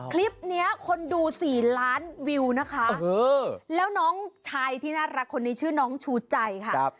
คลิปนี้คนดู๔ล้านวิวนะคะแล้วน้องชายที่น่ารักคนนี้ชื่อน้องชูใจค่ะ